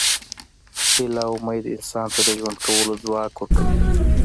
هیله او امید انسان ته د ژوند کولو ځواک ورکوي.